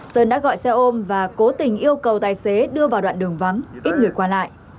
sơn đã gọi xe ôm và cố tình yêu cầu tài xế đưa vào đoạn đường vắng ít người qua lại